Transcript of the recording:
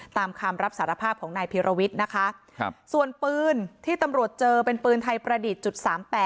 ตามคำรับสารภาพของนายพีรวิทย์นะคะส่วนปืนที่ตำรวจเจอเป็นปืนไทยประดิษฐ์จุด๓๘